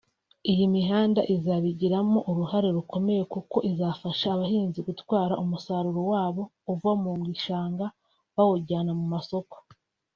Iyi mihanda izabigiramo uruhare rukomeye kuko izafasha abahinzi gutwara umusaruro wabo uva mu bishanga bawujyana ku masoko